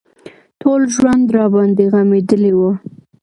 ټول ژوند راباندې غمېدلى و.